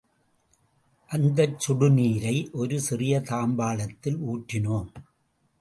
அந்தச் சுடுநீரை ஒரு சிறிய தாம்பாளத்தில் ஊற்றினோம்.